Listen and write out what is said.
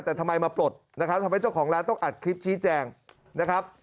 แต่ทำไมมาปลดนะครับทำให้เจ้าของร้านต้องอัดคลิปชี้แจงนะครับ